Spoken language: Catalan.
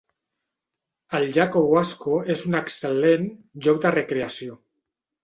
El llac Owasco és un excel·lent lloc de recreació.